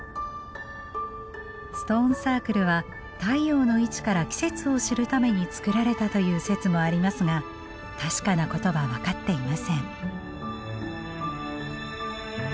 ストーンサークルは太陽の位置から季節を知るために作られたという説もありますが確かなことは分かっていません。